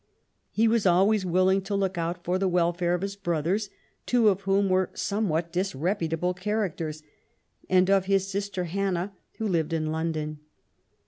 He was always willing to look out for the welfare of his brothers, two of whom were somewhat disrepu table characters, and of his sister Hannah who lived in London.